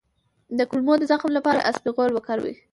د کولمو د زخم لپاره اسپغول وکاروئ